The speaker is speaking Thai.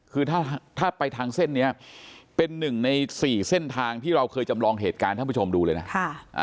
คือถ้าไปทางเส้นนี้เป็นหนึ่งใน๔เส้นทางที่เราเคยจำลองเหตุการณ์ท่านผู้ชมดูเลยนะ